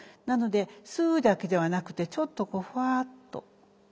なのでスーだけではなくてちょっとこうフワッと。